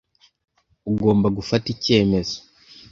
Ugomba gufata icyemezo.